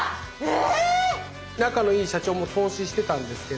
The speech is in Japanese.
え